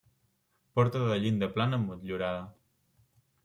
Porta de llinda plana motllurada.